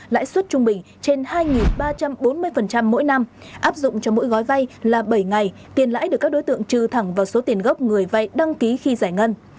lãi suất trung bình trên hai ba trăm bốn mươi mỗi năm áp dụng cho mỗi gói vay là bảy ngày tiền lãi được các đối tượng trừ thẳng vào số tiền gốc người vay đăng ký khi giải ngân